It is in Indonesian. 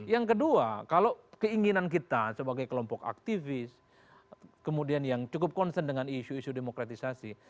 yang kedua kalau keinginan kita sebagai kelompok aktivis kemudian yang cukup concern dengan isu isu demokratisasi